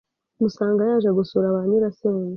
musanga yaje gusura ba nyirasenge